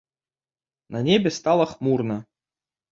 На небе стала хмурна.